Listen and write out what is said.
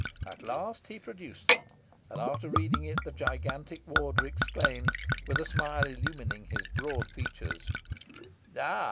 At last he produced it, and after reading it, the gigantic warder exclaimed, with a smile illumining his broad features "Ah!